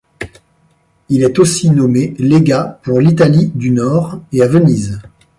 Il est aussi nommé légat pour l'Italie du Nord et à Venise.